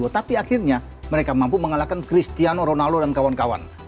tapi akhirnya mereka mampu mengalahkan cristiano ronaldo dan kawan kawan